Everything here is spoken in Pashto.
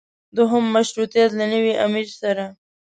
دویم مشروطیت له نوي امیر سره.